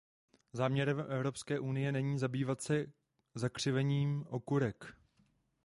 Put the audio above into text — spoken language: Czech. Záměrem Evropské unie není zabývat se zakřivením okurek.